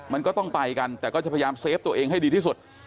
มันก็ต้องไปกันแต่ก็จะพยายามเซฟตัวเองให้ดีที่สุด